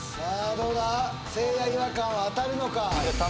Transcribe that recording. どうだせいや違和感は当たるのか？